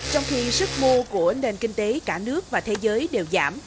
trong khi sức mua của nền kinh tế cả nước và thế giới đều giảm